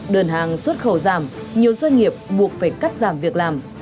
đơn hàng xuất khẩu giảm nhiều doanh nghiệp buộc phải cắt giảm việc làm